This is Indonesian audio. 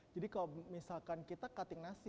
jadi kalau misalkan kita cutting nasi